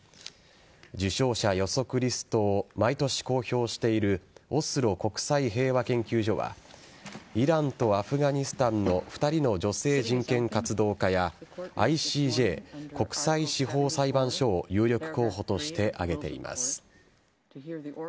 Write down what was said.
受賞者予測リストを毎年公表しているオスロ国際平和研究所はイランとアフガニスタンの２人の女性人権活動家やＩＣＪ＝国際司法裁判所を有力候補として挙げています。